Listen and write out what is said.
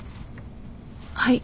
はい。